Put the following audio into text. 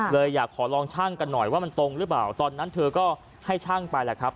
เลยอยากขอลองช่างกันหน่อยว่ามันตรงหรือเปล่าตอนนั้นเธอก็ให้ช่างไปแหละครับ